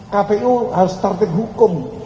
kpu harus start up hukum